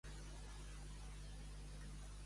On va obrir Arguyol més cases de religiosos?